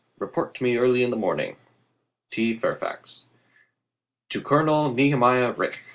Report to me early in the morn ing. T. Fairfax. To Colonel Nehemiah Rich.